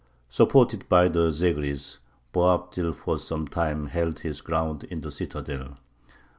Supported by the Zegris, Boabdil for some time held his ground in the citadel.